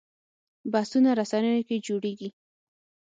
بحثونه رسنیو کې جوړېږي